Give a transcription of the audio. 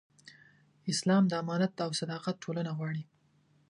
اسلام د امانت او صداقت ټولنه غواړي.